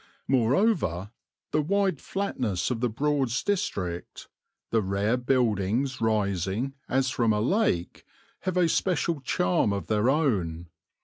Moreover, the wide flatness of the Broads District, the rare buildings rising as from a lake, have a special charm of their own.